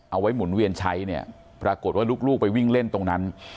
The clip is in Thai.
หมุนเวียนใช้เนี่ยปรากฏว่าลูกไปวิ่งเล่นตรงนั้น